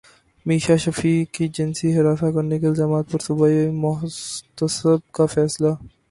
میشا شفیع کے جنسی ہراساں کرنے کے الزامات پر صوبائی محتسب کا فیصلہ